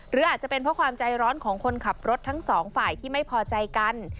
หรืออาจจะเป็นเพราะความใจร้อนของคนขับรถทั้งสองฝ่ายที่ไม่พอใจกัน